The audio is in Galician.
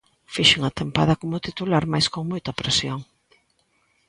Fixen a tempada como titular mais con moita presión.